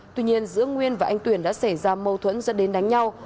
tuy nhiên giữa nguyên và anh tuyển đã xảy ra mâu thuẫn dẫn đến đánh nhau